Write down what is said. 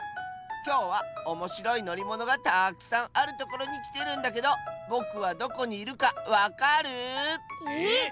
きょうはおもしろいのりものがたくさんあるところにきてるんだけどぼくはどこにいるかわかる？え？